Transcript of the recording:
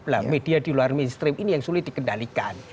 nah media di luar mainstream ini yang sulit dikendalikan